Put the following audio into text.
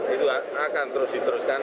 itu akan terus diteruskan